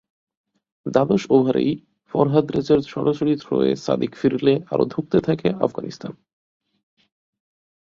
দ্বাদশ ওভারেই ফরহাদ রেজার সরাসরি থ্রোয়ে সাদিক ফিরলে আরও ধুঁকতে থাকে আফগানিস্তান।